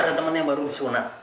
ada teman yang baru sunat